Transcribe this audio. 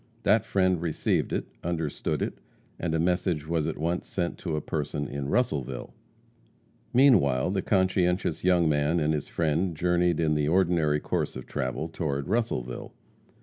That friend received it, understood it, and a message was at once sent to a person in Russellville. Meanwhile, the conscientious young man and his friend journeyed in the ordinary course of travel toward Russellville.